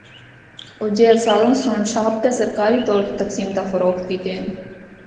او جعل سازاں سُنڑ چھاپ کے سرکاری طور تے تقسیم تے فروخت کیتے ہن۔